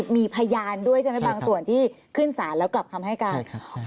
มีพยานด้วยใช่ไหมบางส่วนที่ขึ้นศาลแล้วกลับคำให้การ